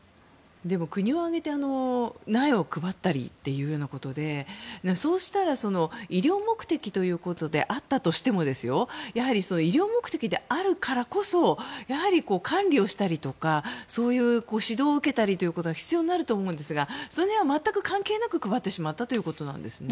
でも、国を挙げて苗を配ったりということで医療目的ということであったとしても医療目的であるからこそ管理をしたりとかそういう指導を受けたりということが必要になると思うんですがその辺は全く関係なく配ってしまったんですか？